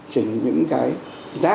trình những cái giá cả